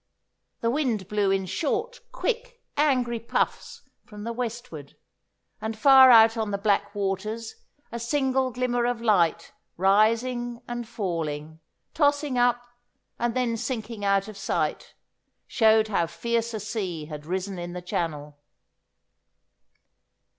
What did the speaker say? The wind blew in short, quick, angry puffs from the westward, and far out on the black waters a single glimmer of light rising and falling, tossing up, and then sinking out of sight, showed how fierce a sea had risen in the channel.